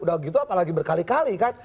apalagi berkali kali kan